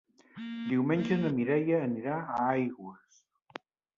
Diumenge na Mireia anirà a Aigües.